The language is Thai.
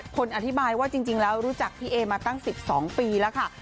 คนอธิบายว่าจริงแล้วรู้จักพี่เอมาตั้ง๑๒ปีแล้วค่ะ